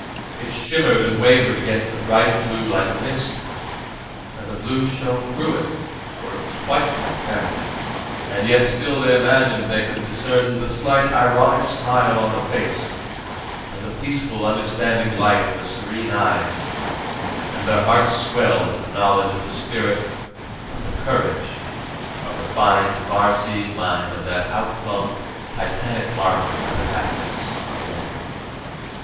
It shimmered and wavered against the bright blue like a mist, and the blue shone through it, for it was quite transparent. And yet still they imagined they could discern the slight ironic smile on the face, and the peaceful, understanding light in the serene eyes; and their hearts swelled at the knowledge of the spirit, of the courage, of the fine, far seeing mind of that outflung titanic martyr to the happiness of men.